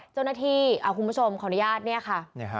เจ้าหน้าที่คุณผู้ชมขออนุญาตนี่ค่ะ